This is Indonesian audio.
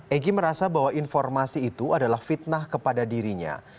egy merasa bahwa informasi itu adalah fitnah kepada dirinya